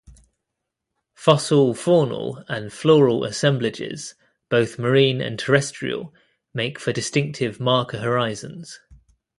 Fossil faunal and floral assemblages, both marine and terrestrial, make for distinctive marker horizons.